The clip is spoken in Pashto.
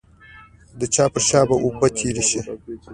د چا پر شا به اوبه تېرې شي.